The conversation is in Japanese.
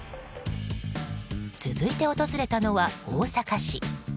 続いて訪れたのは大阪市。